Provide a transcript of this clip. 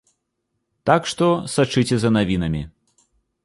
Так што сачыце за навінамі.